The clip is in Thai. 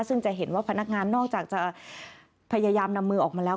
ซึ่งจะเห็นว่าพนักงานนอกจากจะพยายามนำมือออกมาแล้ว